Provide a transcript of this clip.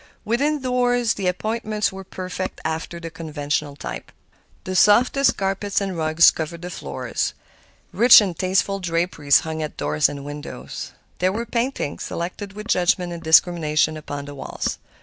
Within doors the appointments were perfect after the conventional type. The softest carpets and rugs covered the floors; rich and tasteful draperies hung at doors and windows. There were paintings, selected with judgment and discrimination, upon the walls.